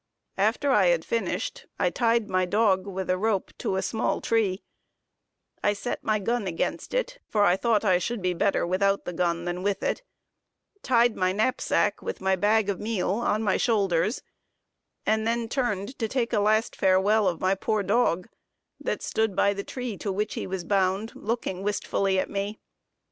After I had finished I tied my dog with a rope to a small tree; I set my gun against it, for I thought I should be better without the gun than with it; tied my knapsack with my bag of meal on my shoulders, and then turned to take a last farewell of my poor dog, that stood by the tree to which he was bound, looking wistfully at me.